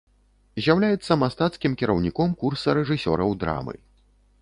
З'яўляецца мастацкім кіраўніком курса рэжысёраў драмы.